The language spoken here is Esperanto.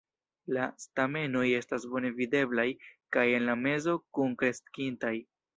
La stamenoj estas bone videblaj kaj en la mezo kunkreskintaj.